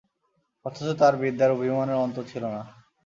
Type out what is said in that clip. অথচ তার বিদ্যার অভিমানের অন্ত ছিল না।